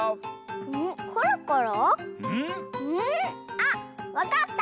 あっわかった！